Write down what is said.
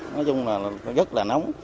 nói chung là rất là nóng